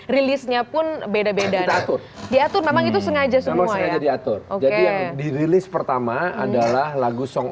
rilisnya pun beda beda diatur memang itu sengaja semua ya diatur dirilis pertama adalah lagu song